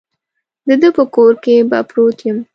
د ده په کور کې به پروت یم.